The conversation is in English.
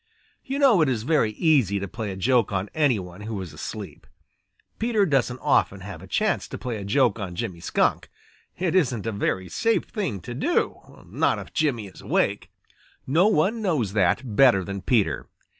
You know it is very easy to play a joke on any one who is asleep. Peter doesn't often have a chance to play a joke on Jimmy Skunk. It isn't a very safe thing to do, not if Jimmy is awake. No one knows that better than Peter.